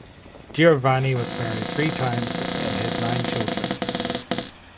Giovanni was married three times and had nine children.